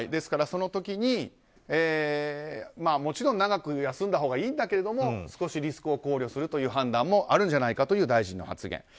その時に、もちろん長く休んだほうがいいんだけれど少しリスクを考慮するという判断もあるんじゃないかという大臣の発言。